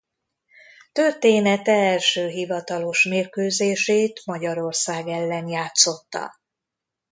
Története első hivatalos mérkőzését Magyarország ellen játszotta.